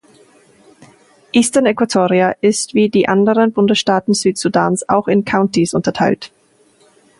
Eastern Equatoria ist, wie die anderen Bundesstaaten Südsudans auch, in Counties unterteilt.